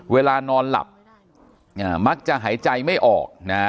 เวลานอนหลับมักจะหายใจไม่ออกนะฮะ